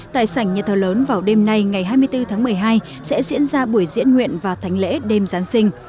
tại sảnh nhà thờ lớn vào đêm nay ngày hai mươi bốn tháng một mươi hai sẽ diễn ra buổi diễn nguyện và thánh lễ đêm giáng sinh